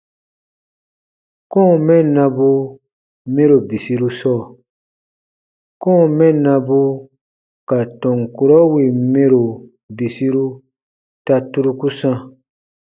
Kɔ̃ɔ mɛnnabu mɛro bisiru sɔɔ : kɔ̃ɔ mɛnnabu ka tɔn kurɔ wìn mɛro bisiru ta turuku sãa.